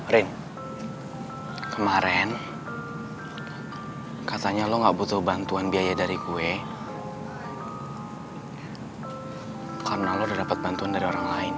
rin kemarin katanya lo gak butuh bantuan biaya dari kue karena lo udah dapat bantuan dari orang lain